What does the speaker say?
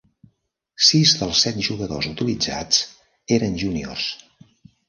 Sis dels set jugadors utilitzats eren Juniors.